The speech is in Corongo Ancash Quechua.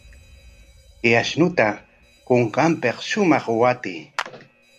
Chay ashnuta kunkanpik shumaq waatamuy.